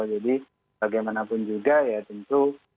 jadi bagaimanapun juga ya tentu